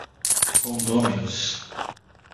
condôminos